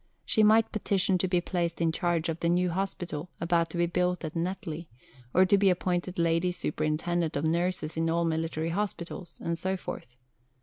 She might petition to be placed in charge of the new hospital about to be built at Netley, or to be appointed Lady Superintendent of Nurses in all military hospitals, and so forth.